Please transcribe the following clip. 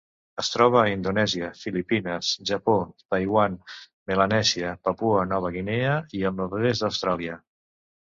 Es troba a Indonèsia, Filipines, Japó, Taiwan, Melanèsia, Papua Nova Guinea i el nord-est d'Austràlia.